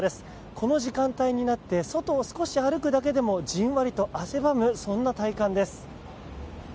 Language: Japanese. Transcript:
この時間帯になって外を少し歩くだけでもじんわりと汗ばむそんな体感です。